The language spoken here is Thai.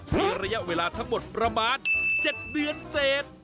ใช้ระยะเวลาทั้งหมดประมาณ๗เดือนเศษ